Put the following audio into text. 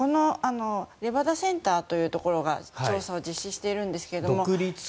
レバダ・センターというところが調査を実施しているんですが。